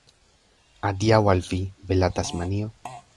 Adiaŭ al vi, bela Tasmanio!